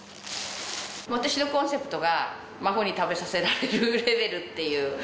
私のコンセプトが孫に食べさせられるレベルっていう。